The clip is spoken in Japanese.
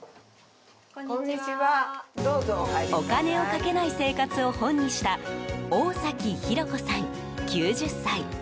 お金をかけない生活を本にした大崎博子さん、９０歳。